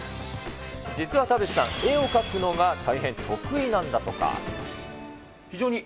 実は田淵さん、絵を描くのが大変得意なんだとか。